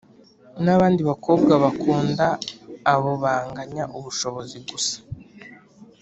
nabandi bakobwa bakunda abobanganya ubushobozi gusa.